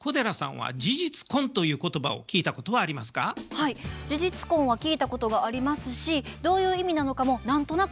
はい事実婚は聞いたことがありますしどういう意味なのかも何となく分かります。